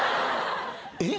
えっ？